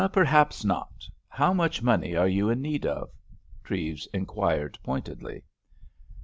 "Perhaps not. How much money are you in need of?" Treves inquired pointedly.